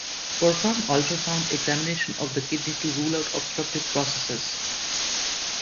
Perform ultrasound examination of the kidney to rule out obstructive processes.